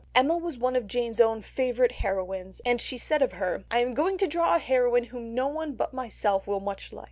Emma was one of Jane's own favourite heroines, and she said of her, "I am going to draw a heroine whom no one but myself will much like."